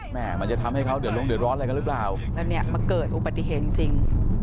มันจะทำให้เขาเดินลง